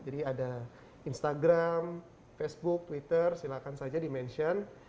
jadi ada instagram facebook twitter silahkan saja di mention